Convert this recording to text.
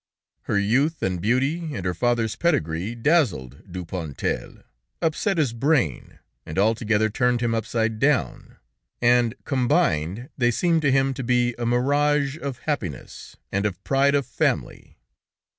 Her youth and beauty and her father's pedigree dazzled Dupontel, upset his brain, and altogether turned him upside down, and combined they seemed to him to be a mirage of happiness and of pride of family.